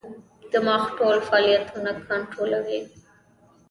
دماغ ټول فعالیتونه کنټرولوي.